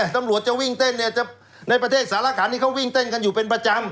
ตำรวจจะวิ่งเต้นในประเทศสารขันนี้เขาวิ่งเต้นกันอยู่เป็นประจำ